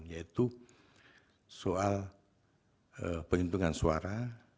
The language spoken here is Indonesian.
yaitu soal penghitungan suara